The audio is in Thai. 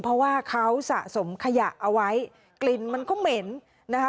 เพราะว่าเขาสะสมขยะเอาไว้กลิ่นมันก็เหม็นนะคะ